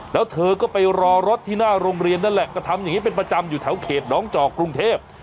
แล้วเธอก็ไปรอรถที่หน้าโรงเรียนนั่นแหละก็ทำอย่างนี้เป็นประจำอยู่แถวเขตน้องจอกกรุงเทพ